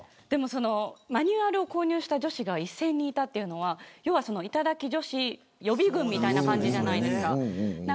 マニュアルを購入した女子が１０００人いたというのは頂き女子予備軍みたいな感じじゃないですか。